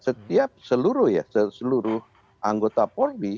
setiap seluruh ya seluruh anggota polri